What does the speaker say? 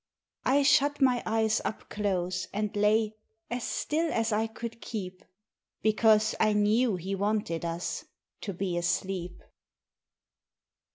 I shut my eyes up close, and lay As still as I could keep; Because I knew he wanted us To be asleep.